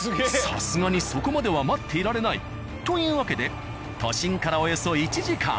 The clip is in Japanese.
さすがにそこまでは待っていられないというわけで都心からおよそ１時間。